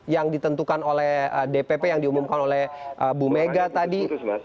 yang ditentukan oleh dpp yang diumumkan oleh bu mega tadi